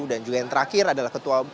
dan juga yang terakhir adalah ketua